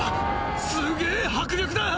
すげぇ迫力だ！